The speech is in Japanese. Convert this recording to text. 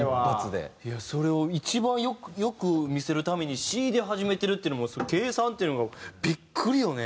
それを一番良く見せるために「し」で始めてるっていうのも計算っていうのがビックリよね。